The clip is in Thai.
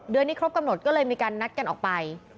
เดือนนี้ครบกำหนดก็เลยมีการนัดกันออกไป